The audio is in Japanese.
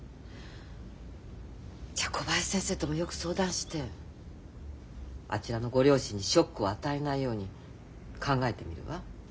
じゃあ小林先生ともよく相談してあちらのご両親にショックを与えないように考えてみるわ。